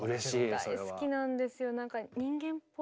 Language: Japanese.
大好きなんですよ。